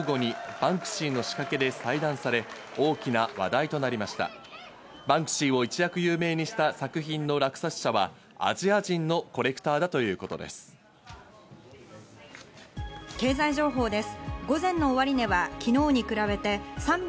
バンクシーを一躍有名にした作品の落札者はアジア人のコレクター経済情報です。